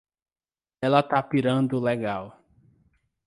Ela tá pirando legal.